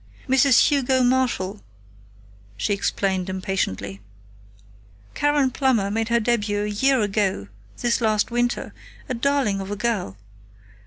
"Mrs. Hugo Marshall," she explained impatiently. "Karen Plummer made her debut a year ago this last winter a darling of a girl.